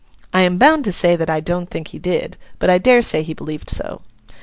I am bound to say that I don't think he did, but I dare say he believed so.